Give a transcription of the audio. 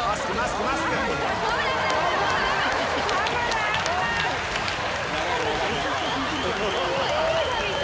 すごい！